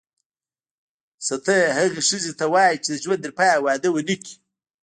ستۍ هغه ښځي ته وايي چي د ژوند ترپایه واده ونه کي.